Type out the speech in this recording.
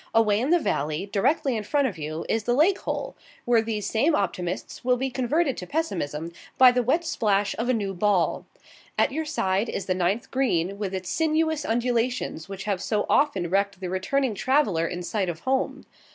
Away in the valley, directly in front of you, is the lake hole, where these same optimists will be converted to pessimism by the wet splash of a new ball. At your side is the ninth green, with its sinuous undulations which have so often wrecked the returning traveller in sight of home.